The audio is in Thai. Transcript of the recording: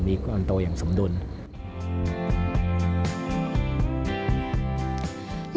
มีความโตอย่างสมดุล